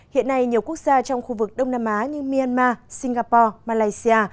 hiện nay nhiều quốc gia trong khu vực đông nam á như myanmar singapore malaysia